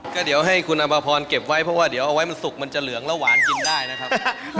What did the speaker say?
ก็เดี๋ยวให้คุณอภพรเก็บไว้เพราะว่าเดี๋ยวเอาไว้มันสุกมันจะเหลืองแล้วหวานกินได้นะครับ